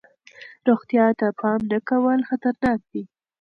روغتیا ته پام نه کول خطرناک دی.